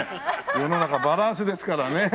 世の中バランスですからね。